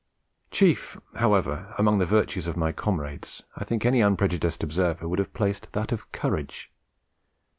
Chief, however, among the virtues of my comrades, I think any unprejudiced observer would have placed that of Courage.